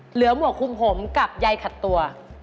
เหลือหมวกหุ่มของผมกับใยขัดตัว